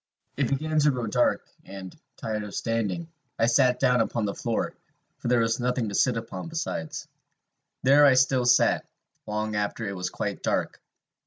"It began to grow dark; and, tired of standing, I sat down upon the floor, for there was nothing to sit upon besides. There I still sat, long after it was quite dark.